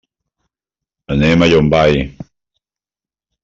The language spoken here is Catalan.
Anem a Llombai.